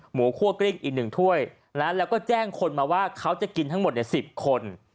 คั่วกริ้งอีก๑ถ้วยแล้วก็แจ้งคนมาว่าเขาจะกินทั้งหมด๑๐คน